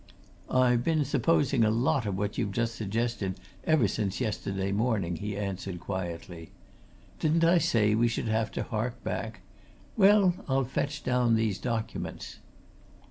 "I've been supposing a lot of what you've just suggested ever since yesterday morning," he answered quietly. "Didn't I say we should have to hark back? Well, I'll fetch down these documents."